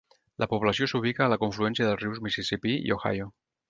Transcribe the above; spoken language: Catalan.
La població s'ubica a la confluència dels rius Mississipí i Ohio.